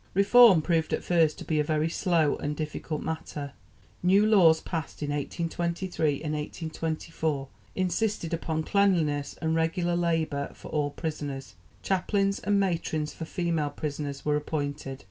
Reform proved at first to be a very slow and difficult matter. New laws passed in 1823 and 1824 insisted upon cleanliness and regular labour for all prisoners; chaplains and matrons for female prisoners were appointed.